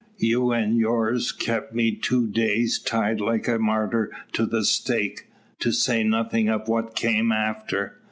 You and yours kept me two days tied like a martyr to the stake, to say nothin' of what came after.